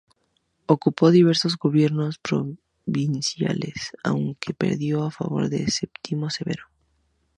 Ocupó diversos gobiernos provinciales, aunque perdió el favor de Septimio Severo.